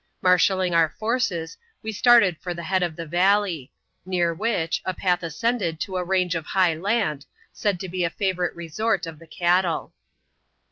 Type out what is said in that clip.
Marshalling our forces, we started for the head of the valley ; near which, a path ascended to a range of high land, said to be a favourite resort of the cattle.